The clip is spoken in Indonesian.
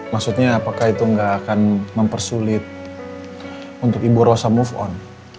maksudnya apakah itu nggak akan mempersulit untuk ibu rosa move on